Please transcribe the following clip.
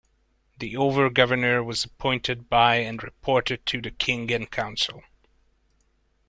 The Over-Governor was appointed by and reported to the King in Council.